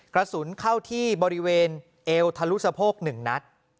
กระสุนเข้าที่บริเวณเอวทะลุสะโพก๑นัด